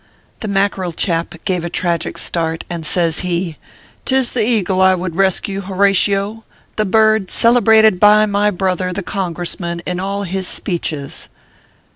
The Mackerel chap gave a tragic start, and says he :" Tis the Eagle I would rescue, Horatio : the bird celebrated by iny brother, the Congressman, in all his speeches."